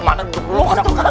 bukan dulu kalau misalnya saya